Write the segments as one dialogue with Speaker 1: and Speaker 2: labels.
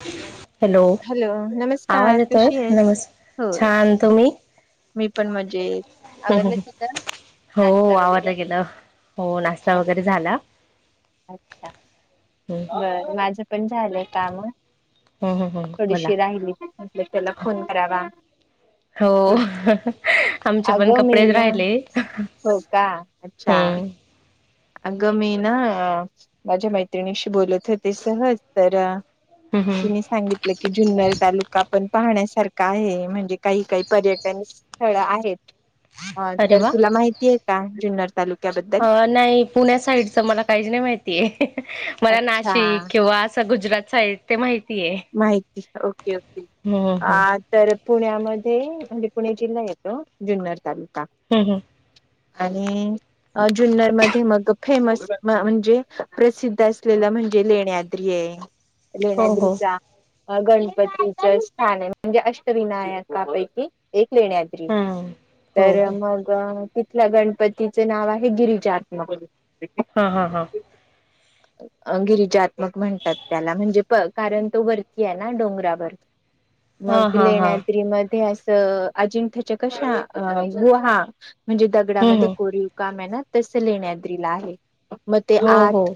Speaker 1: [inaudible] Hello आवाज
Speaker 2: नमस्कार
Speaker 1: येतोय
Speaker 2: कशी आहेस
Speaker 1: नमस्
Speaker 2: हो
Speaker 1: छान तुम्ही
Speaker 2: मी पण म्हणजे
Speaker 1: ह् हो
Speaker 2: वगैरे
Speaker 1: आवरल गेलं हो नाश्ता वगैरे झाला
Speaker 2: अच्छा
Speaker 1: हम्म
Speaker 2: बर माझं पण झालंय काम
Speaker 1: हम्म हम्म हम्म, बोला
Speaker 2: थोडीशी राहिली म्हटल त्याला फोन करावा
Speaker 1: हो आमचे पण
Speaker 2: अगं मी
Speaker 1: कपडेच
Speaker 2: ना
Speaker 1: राहिले
Speaker 2: हो का अच्छा
Speaker 1: हम्म
Speaker 2: अगं मी ना माझ्या मैत्रिणीशी बोलत होते सहज तर
Speaker 1: हम्म हम्म
Speaker 2: तिने सांगितलं की जुन्नर तालुका पण पाहण्यासारखा काय म्हणजे काही काही पर्यटन स्थळ आहेत अ
Speaker 1: अरे
Speaker 2: तर
Speaker 1: वा
Speaker 2: तुला माहिती आहे का जुन्नर तालुक्याबद्दल
Speaker 1: अ पुण्या साईडच मला काही नाही माहितीय मला
Speaker 2: अच्छा
Speaker 1: नाशिक किंवा गुजरात साईदची आहे ते माहि
Speaker 2: माहिती ओके ओके
Speaker 1: हम्म हम्म
Speaker 2: अ तर पुण्यामध्ये म्हणजे पुणे जिल्हा येतो जुन्नर तालुका
Speaker 1: हम्म हम्
Speaker 2: आणि जुन्नर मध्ये मग फेमस म्हणजे प्रसिद्ध असलेला म्हण म्हणजे लेण्याद्री आहे
Speaker 1: हो हो.
Speaker 2: लेण्याद्रीचा अ गणपतीचं स्थान आहे, म्हणजे अष्टविनायकापैकी एक लेण्याद्री.
Speaker 1: हम्म हो
Speaker 2: तर
Speaker 1: हो
Speaker 2: मग तिथल्या गणपतीचे नाव आहे गिरिजात्मक.
Speaker 1: हा हा हा.
Speaker 2: गिरिजात्मक म्हणतात त्याला, म्हणजे बघ कारण तो वरती आहे ना डोंगरावर,
Speaker 1: हा
Speaker 2: मग
Speaker 1: हा हा
Speaker 2: लेणाद्रीमध्ये अस अ अजिंक्य चकशा गुहा, म्हणजे
Speaker 1: हम्म
Speaker 2: दगडामध्ये
Speaker 1: हम्म.
Speaker 2: कोरीव काम आहे ना तसं लिण्याद्रीला आहे. मग ते
Speaker 1: हो हो
Speaker 2: आत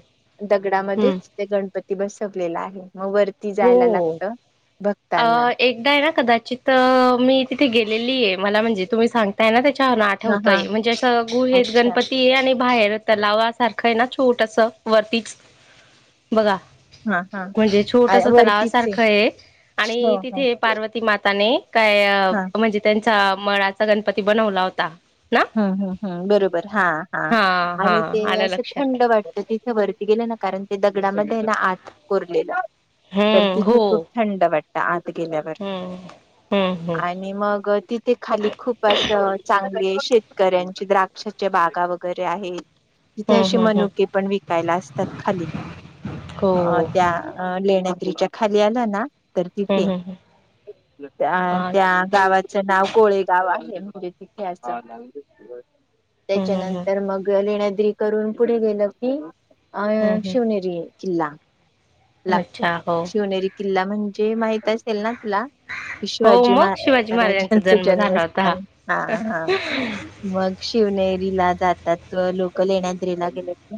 Speaker 1: हम्म
Speaker 2: दगडामध्येच ते गणपती बसवलेला आहे. मग वरती जायला
Speaker 1: हो.
Speaker 2: लागतं भक्तांना.
Speaker 1: तिथं मी तिथे गेलेली आहे, मला म्हणजे तुम्ही सांगताय ना ते च्यावरुन
Speaker 2: हा हा
Speaker 1: आठवतंय. म्हणजे असं गुहेत
Speaker 2: अच्छा
Speaker 1: गणपती आणि बाहेर तलावासारखं आहे ना, छोटसं वरतीच? बघा
Speaker 2: हा हा
Speaker 1: म्हणजे
Speaker 2: आ
Speaker 1: छोटसं
Speaker 2: वरतीच
Speaker 1: तलावासारखं आहे
Speaker 2: हो
Speaker 1: आणि
Speaker 2: हो
Speaker 1: तिथे पार्वती माता आणि काय
Speaker 2: हा
Speaker 1: म्हणजे त्यांचा मळाचा गणपती बनवला होता. ना
Speaker 2: हं हं हं बरोबर हा हा
Speaker 1: हा
Speaker 2: आणि ते
Speaker 1: आलं
Speaker 2: असं
Speaker 1: लक्षात
Speaker 2: थंड वाटतं तिथे वरती गेल्या कारण ते दगडामध्ये ना आत कोरलेलं, तर
Speaker 1: हम्म
Speaker 2: तिथं
Speaker 1: हो
Speaker 2: खूप थंड वाटतं आत गेल्यावर
Speaker 1: हम्म. हम्म हम्म
Speaker 2: आणि मग ति ते खाली खूप असं चांगले शेतकऱ्यांची द्राक्षाच्या बागा वगैरे आहेत. तिथे
Speaker 1: हम्म
Speaker 2: असे
Speaker 1: हम्म हम्म
Speaker 2: मनुकेपण विकायला असतात खाली.
Speaker 1: हो
Speaker 2: अ त्या लेण्याद्रीच्या खाली आलं ना तर
Speaker 1: हम्म
Speaker 2: तिथे,
Speaker 1: हम्म हम्म
Speaker 2: त्या त्या
Speaker 1: अच्छा.
Speaker 2: गावाचं नाव कोळेगाव आहे. ते म्हणजे तिथे असं
Speaker 1: हम्म हम्म हम्म.
Speaker 2: त्याच्यानंतर मग लेण्याद्री करून पुढे गेलं की अ
Speaker 1: हं, हं.
Speaker 2: शिवनेरी किल्ला
Speaker 1: अच्छा,
Speaker 2: लागतो.
Speaker 1: हो.
Speaker 2: शिवनेरी किल् ला म्हणजे माहित असेल ना तुला.
Speaker 1: हो,
Speaker 2: शिवाजी
Speaker 1: मग शिवाजी महाराजांचा
Speaker 2: महाराजांचं
Speaker 1: जन्म झाला होता.
Speaker 2: जन्मस्थान, हा हा मग शिवनेरी रीला जातात व लोक लेण्याद्रीला गेले की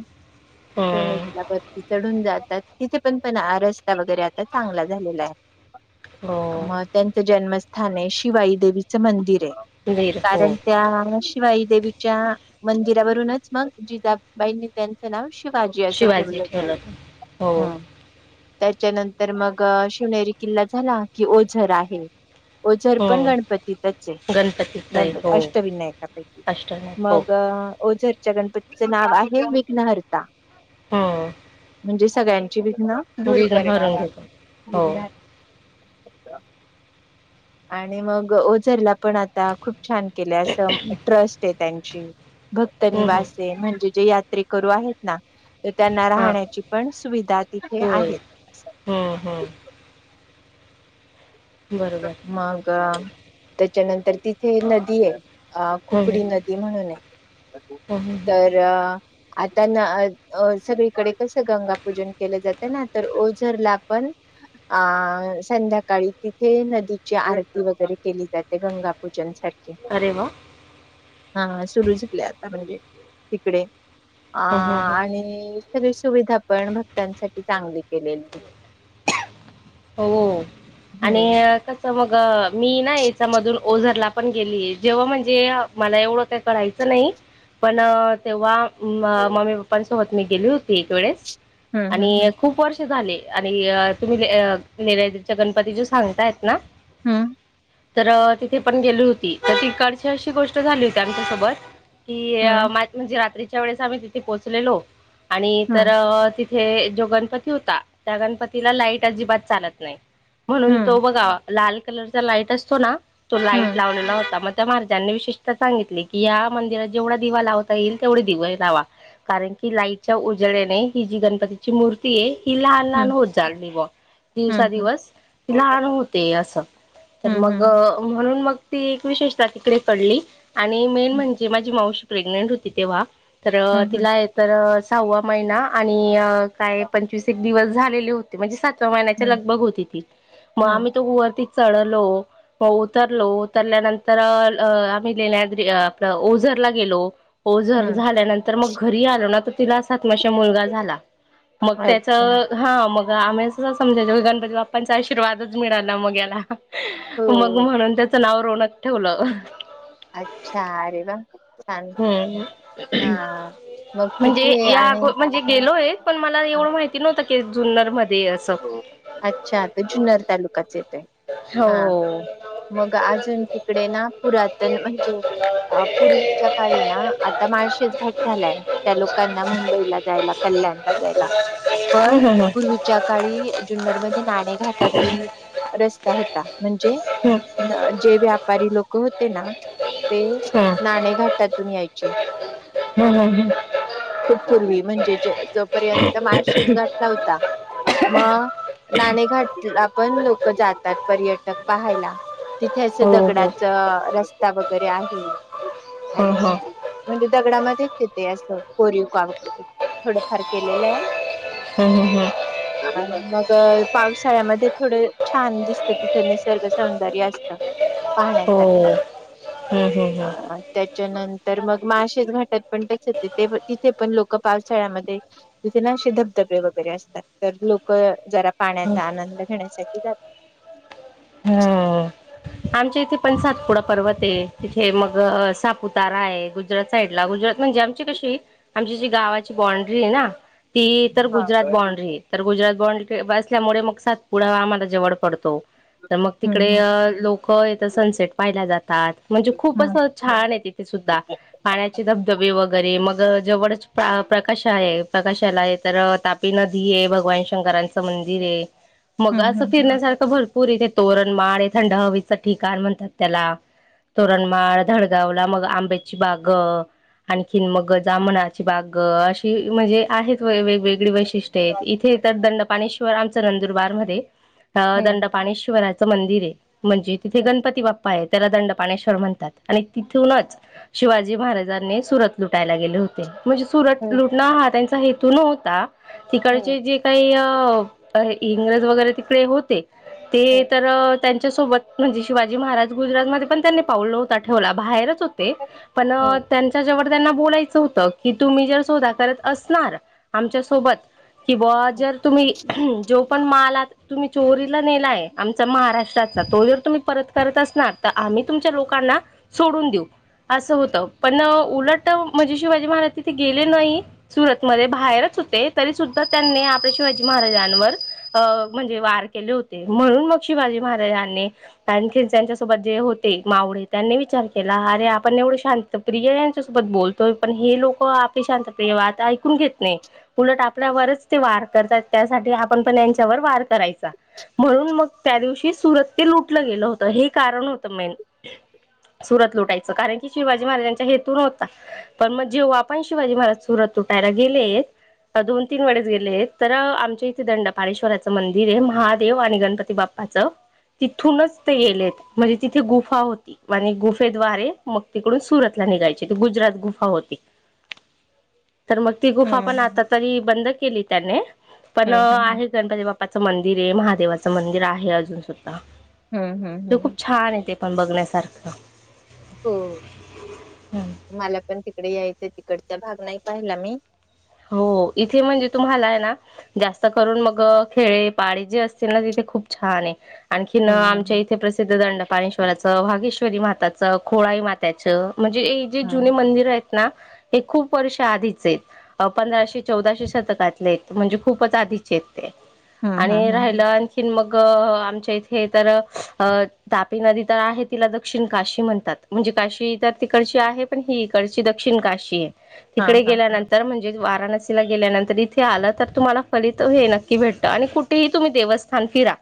Speaker 1: हं.
Speaker 2: शिवनेरीला वरती चढून जातात. तिथे पण तेन रस्ता वगैरे आता चांगला झालेला आहे.
Speaker 1: हो.
Speaker 2: मग त्यांचं जन्म स्थान आहे, शिवाई देवीचं मंदिर आहे.
Speaker 1: वीर हो.
Speaker 2: कारण त्या शिवाई देवीच्या मंदिरावरूनच, मग जिजबाईंनी त्यांचं नाव शि वाजी असं ठेवलं होतं.
Speaker 1: हो.
Speaker 2: ह त्याच्यानंतर मग शिवनेरी किल्ला झाला, की ओझर आहे. ओझरपण
Speaker 1: हं.
Speaker 2: गणपतीतच हाय.
Speaker 1: गणपतीचं आहे.
Speaker 2: गणपती
Speaker 1: हो.
Speaker 2: अष्टविनायकापैकी.
Speaker 1: अष्टनाथ हो.
Speaker 2: मग ओझर त्या गणपतीचं नाव आहे, विघ्नहर्ता.
Speaker 1: हा.
Speaker 2: म्हणजे सगळ्यांची विघ्न दूर करणारा
Speaker 1: घेतो. हो.
Speaker 2: विघ्नहर्ता. आणि मग ओझरलापण आता खूप छान केले असं ट्रस्ट आहे त्यां ची. भक्त
Speaker 1: हं, हं.
Speaker 2: निवास हाय, म्हणजे जे यात्रे करू आहेत ना तर त्यांना
Speaker 1: हां.
Speaker 2: राहण्याचीपण सुविधा तिथे
Speaker 1: होय.
Speaker 2: आहे.
Speaker 1: हं, हं. बरोबर.
Speaker 2: मगा त्याच्यानंतर तिथे नदी आहे. अ
Speaker 1: हं,
Speaker 2: कुकडी
Speaker 1: हं.
Speaker 2: नदी म्हणून आहे.
Speaker 1: हं, हं, हं.
Speaker 2: तर आता न अ अ सगळीकडे कसं गंगापूजन केलं जातं ना, तर ओझरलापण आ संध्याकाळी ती ते नदीची आरती वगैरे केली जाते, गंगा पूजन साठी.
Speaker 1: अरे वाह!
Speaker 2: हा सुरु झाली आता म्हणजे तिकडे. आ
Speaker 1: हं, हं, हं.
Speaker 2: आणि सगळी सुविधापण भक्तांसाठी चांगली केलेली.
Speaker 1: हो आणि
Speaker 2: हम्म
Speaker 1: कस मग - - अ मी ना याच्यामधून ओझरला पण गेलीए जेव्हा म्हणजे मला एवढं काही कळायचं नाही. पण तेव्हा मम्मी पप्पांसोबत मी गेली होती एक वेळेस.
Speaker 2: हम्म
Speaker 1: आणि
Speaker 2: हम्म
Speaker 1: खूप वर्ष झाले आणि तुम्ही अं रेडीचा गणपती जो सांगतायत ना, तर तिथे पण गेली होती. ती तिकडची अशी गोष्ट झाली होती, आमच्या सोबत की
Speaker 2: हम्म
Speaker 1: माझी म्हणजे रात्री- - त्या वेळेस आम्ही तिथे पोहोचलेलो आणि तर
Speaker 2: हम्म
Speaker 1: ती हे जो गणपती होता त्या गणपतीला लाईट अजिबात चालत नाही म्हणून तो बघावा. लाल कलरचा लाईट असतो ना तो लाईट
Speaker 2: हम्म
Speaker 1: लावलेला होता मग - - त्या माणसांनी विशेषतः सांगितली की या मंदिरात जेवढा दिवा लावता येईल तेवढे दिवे लावा. कारण की लाईटच्या उजळ्याने ही जी गणपतीची मूर्तीए. ही लहान लहान
Speaker 2: हम्म
Speaker 1: होत चालली बघ - - दुसरा
Speaker 2: हम्म
Speaker 1: दिवस ती लहान होते असं तर
Speaker 2: हम्म हम्म हम्म
Speaker 1: मगं - - मग ती एक विशेषतः तिकडे पडली आणि मेन म्हणजे माझी मावशी - - प्रेग्नेंट होती तेव्हा तर
Speaker 2: हम्म हम्म हम्म
Speaker 1: तिला एक तर सहावा महिना आणि - - काय पंचवीस एक दिवस झालेले होते म्हणजे सातव्या महिन्यात.
Speaker 2: हम्म
Speaker 1: लगभग होती ती मग
Speaker 2: हम्म
Speaker 1: आम्ही त गुवारती चढलो मग उतरलो उतरल्यानंतर अ अ आम्ही लेण्याद्री अ आपलं ओझर- - ला गेलो ओझर
Speaker 2: हम्म
Speaker 1: झाल्यानंतर मग घरी आलो ना तर तिला असा - - नशिब मुलगा झाला. मग त्याच
Speaker 2: अच्छा
Speaker 1: ह हा मग आमीचच - - याच्यावर गणपती बाप्पांचा आशीर्वादच मिळाला मग ह्याला
Speaker 2: हो
Speaker 1: मग म्हणून त्याच नाव - - रोनक ठेवलं.
Speaker 2: अच्छा अरे वा छान
Speaker 1: हम्.
Speaker 2: हा मग
Speaker 1: म्हणजे
Speaker 2: तिथे
Speaker 1: या
Speaker 2: आणि
Speaker 1: अगो म्हणजे गेलोय. पण मला एवढं माहिती नव्हतं की जुन्नरम - -
Speaker 2: हो. अच्छा, तर जुन्नर तालुकाच येतोय हा.
Speaker 1: हो.
Speaker 2: मग अजून तिकडे ना पुरातन म्हणजे, आ पूर्वीच्या काळी. ना आता माळशेज घट झालाय. त्या लोकांना मुंबईला जायला कल्याणला जायला. पण
Speaker 1: हम्म हम्म
Speaker 2: पूर्वीच्यात काळी जुन्नरमधून नाणे घाटातून रस्ता होता म्हणजे -
Speaker 1: हम्म
Speaker 2: - ना. जे व्यापारी लोक होती ना ते नाणेघाटात. तिथून यायचे.
Speaker 1: हम्म हम्म हम्म हम्म
Speaker 2: खूप पूर्वी म्हणजे ज जोपर्यंत माळ शेज घाट नव्हता. मग नाणेघाटला पण लोक जातात. पर्यटक पाहायला. तिथे असं
Speaker 1: हो हो.
Speaker 2: दगडाच रस्ता बघ - - दरी आहे
Speaker 1: हम्म हम्म
Speaker 2: आणि म्हणजे दगडामध्ये - - तिथे असं कोरीव काम थोडंफार केलेलं आय.
Speaker 1: ह ह ह.
Speaker 2: [inaudible] मग पावसाळ्यामध्ये थोडं छान दिसत तिथं निसर्ग सौंदर्य असत.
Speaker 1: हो
Speaker 2: पाहण्यासारख
Speaker 1: हम्म हम्म
Speaker 2: अ त्याच्यानंतर मग - - माशेच घाटात पण त्याच तिथे तिथे पण लोक पावसाळ्यामध्ये तिथे ना असे धबधबे वगैरे असतात. तर लोक जरा
Speaker 1: हम्म.
Speaker 2: पाण्याचा आनंद घेण्यासाठी जात.
Speaker 1: हम. आमच्या इथे पण सातपुडा पर्वत तेय तिथे मग सापुतार हेय. गुजरात साईडला गुज- - म्हणजे आमची कशी आमची जी गावाची बांड्री हाय ना? ती तर
Speaker 2: हा
Speaker 1: गुजरात बॉन्ड्री तर गुजरात - - बॉ असल्यामुळे मग सातपुडा आम्हाला जवड पडतो तर मग
Speaker 2: हं,
Speaker 1: तिकडे
Speaker 2: हं,
Speaker 1: लोक- - येतं सनसेट पाहायला जात तात. म्हणजे खूप
Speaker 2: हं,
Speaker 1: असं छान आहे तिथे सुद्धा पाण्याचे धबधबे वगै- - गैरे मग जवळच प्रकाश आहे प्रकाशाला आहे. तर तापी नदी आहे. भगवान शंकर च मंदिर आहे मग
Speaker 2: हं,
Speaker 1: असं
Speaker 2: हं, हं,
Speaker 1: फिरण्यासारख भरपूर आहे. तोरणमाळ थंड हवीचं ठिकाण म्हणतात त्याला.. तोरणमाळ धडगावला मग आंब्याची बाग.. आणखीन मग जमणाची बाग अशी म्हणजे आहेत वेगवेगळी वै.. इथे तर दंडपाश्वर आम नंदुरबार म दं्.. ं मंदिर आहे म्हणजे तिथे
Speaker 2: अच्छा,
Speaker 1: गणपती बाप्.. त्याला दंडपाणेश्वर म्हणतात आणि तिथूनच शिवाजी महाराजांनी सुरत लुटायला गेले होते. म्हणजे सुरट
Speaker 2: हं,
Speaker 1: लुटण हा त्यांचा हेतू न्हता
Speaker 2: हं,
Speaker 1: तिकडचे जे काही.. इंग्रज वगैरे तिकडे होते ते
Speaker 2: हं,
Speaker 1: तर.. त्यांच्यासोबत म्हणजे शिवाजी महाराज गुजरातमध्येध्ये पण त्यांनी पावलं होता ठेवला बाहेरच..
Speaker 2: हं,
Speaker 1: पणच्या जेव.. त्यांना बोलायचं होत की तुम्ही जर सोधा करत असणार आमच्या सोबत.. कि बा
Speaker 2: हं,
Speaker 1: जर तुम्ही जो पण माला तुम्ही चोरीला नेलाय.. आमचा महाराष्ट्रातला तो जर तुम्ही परत करत असणार तर आम्ही तुमच्या लोकांना सोडून देऊ. असं होतं पण उलट म्हणजे शिवाजी महाराज तिथे गेले नाही सुरतमध्ये बाहेरच.. हो तरी सुद्धा त्यांनी आपल्या शिवाजी महाराजांवर म्हणजे वार केले होते. म्हणून मग शिवाजी महाराजांनी आणि खच्या सोबत जे होते मावडे त्यांनी विचार केला.. अरे आपण एवढं शांतप्रिय यांच्यासोबत बोलतोय पण हे लोक आपली शांतप्रिय वाद ऐकून घेत नाही. उलट आपल्यावरच ते वार करतात त्यासाठी आपण पण त्यांच्यावर वार करायचा.. म्हणून मग त्या दिवशी सुरत ते लुटलं गेलं होतं हे कारण होतं मेन. सुरत लुटायचं कारण की शिवाजी महाराजांच्या हेतून होता पण मग जेव्हा पण शिवाजी महाराज सुरत.. तू पॅरा गेले.. दोन तीन वेळेस गेले आहेत तर आमच्या इथे दंडपारेश्वराचं मंदिर आहे महा.. देव आणि गणपती बाप्पाचं.. तिथूनच ते येलेत म्हणजे तिथे गुफा होती आणि गुफेद्वारे मग तिकडून सुरत ला.. ाय गुजरात गुफा होती. तर मग ती गुफा पण आता
Speaker 2: हं,
Speaker 1: तरी बंद केली त्याने पण
Speaker 2: हं,
Speaker 1: आहे गणपती बा्पाचं मंदिर.. मंदिर हे महादेवाचं मंदिर आहे अजून सुद्धा
Speaker 2: हं, हं,
Speaker 1: ज
Speaker 2: हं.
Speaker 1: खूप छान आहे ते. पण बघण्यासारखं.
Speaker 2: हो मला पण तिकडे यायचं.. तिकडचा भाग नाही पाहिला मी.
Speaker 1: हो इथे म्हणजे तुम्हाला आहे ना जास्त करून मग खेळे पाळी जे असतील ना तिथे.. खूप छान आहे. आणखीन
Speaker 2: हं,
Speaker 1: आमच्या
Speaker 2: हं,
Speaker 1: इथे प्रसिद्ध दंडपाणेश्वराचं वागेश्वरी माताचं खोळाई माताचं.. म्हणजे हे जे जुने
Speaker 2: हं,
Speaker 1: मंदिर आहेत ना हे खूप वर्ष आधीच आहेत. पंधराशे चौदाशे शतकातले आहेत म्हणजे खूपच आधीचे आहेत.
Speaker 2: हं, हं,
Speaker 1: आणि राहिला
Speaker 2: हं,
Speaker 1: आणखीन मग.. आमच्या इथे तर तापी नदी तर आहे तिला दक्षिण काशी म्हणतात म्हणे.. काशी तर तिकडची आहे पण ही इकडची दक्षिण काशी आहे
Speaker 2: हां,
Speaker 1: तिकडे
Speaker 2: हां,
Speaker 1: गेल्यानंतर म्हणज.. वाराणसीला गेल्यानंतर इथे आलं तर तुम्हाला फलित हे नक्की भेटत आणि कुठेही तुम्ही देवस्थान फिरा..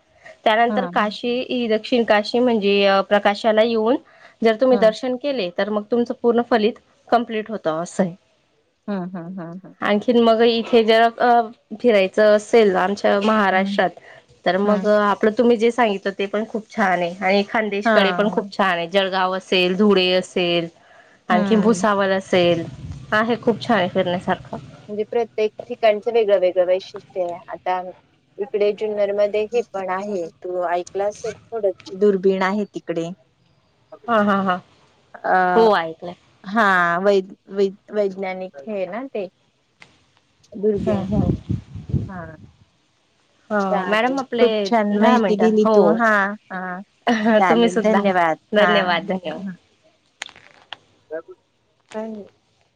Speaker 1: त्यानंतर
Speaker 2: हं,
Speaker 1: काशी ह दक्षिण काशी म्हणजे प्रकाशाला येऊन.. जर तुम्ही
Speaker 2: हं,
Speaker 1: दर्शन केले तर मग तुमचं पूर्ण फलित कम्प्लीट होतं असं आहे.
Speaker 2: हा.
Speaker 1: आणखीन मग इथे जरा फिरायचं असेल आमच्या..
Speaker 2: हं,
Speaker 1: महाराष्ट्रात तर मग
Speaker 2: हं,
Speaker 1: आपलं तुम्ही जे सांगित ते पण खूप छान आहे आणि.. खदेशकडे पण
Speaker 2: हां,
Speaker 1: खूप छान आहे जळगाव असेल धुळे असेल आणखी
Speaker 2: हं.
Speaker 1: भुसावरळ असेल आहे खूप छान आहे फिरण्यासारखा.
Speaker 2: म्हणजे प्रत्येक ठिकाणचं वेगळं वेगळं वैशिष्ट्य आहे आता इकडे जुनर मध्ये हे पण आहे तू ऐकला असेल थोड दुर्बीण आहे तिकडे.
Speaker 1: हा हा हा
Speaker 2: अ
Speaker 1: हो ऐकलंय
Speaker 2: हा! वै वैज्ञानिक हे ना ते?
Speaker 1: हा
Speaker 2: दुर्बीण
Speaker 1: हा!
Speaker 2: हा... चालेल
Speaker 1: मॅडम आपले
Speaker 2: खूप छान
Speaker 1: दहा
Speaker 2: माहिती
Speaker 1: मिनटं
Speaker 2: दिली
Speaker 1: हो
Speaker 2: तू हा हा...
Speaker 1: तुम्ही
Speaker 2: चालेल
Speaker 1: सुद्धा
Speaker 2: धन्यवाद हा!
Speaker 1: धन्यवाद धन्यवाद
Speaker 2: का?